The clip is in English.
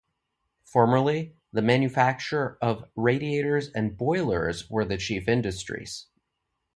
Formerly, the manufacture of radiators and boilers were the chief industries.